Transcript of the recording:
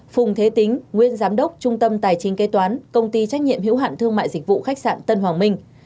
phùng thế tính nguyên giám đốc trung tâm tài chính kế toán công ty trách nhiệm hữu hạn thương mại dịch vụ khách sạn tân hoàng minh